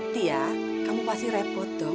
tia kamu pasti repot tuh